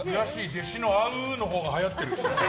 弟子の合うーのほうが流行ってる。